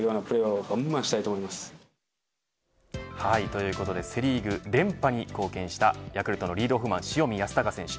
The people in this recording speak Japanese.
ということでセ・リーグ連覇に貢献したヤクルトのリードオフマン塩見泰隆選手。